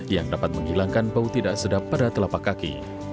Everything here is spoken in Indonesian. yang dapat menghilangkan bau tidak sedap pada telapak kaki